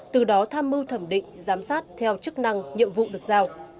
từ đó tham mưu thẩm định giám sát theo chức năng nhiệm vụ được giao